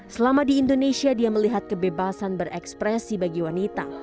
selama di indonesia dia melihat kebebasan berekspresi bagi wanita